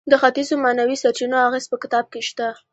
د ختیځو معنوي سرچینو اغیز په کتاب کې شته.